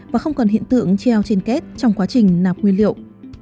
và không còn hiện tượng treo trên kết trong quá trình nạp nguyên liệu